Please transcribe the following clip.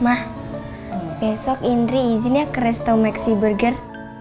emang besok indri izinnya kresto maxi burger